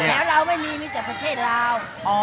แล้วเราไม่มีมีแต่ประเทศลาว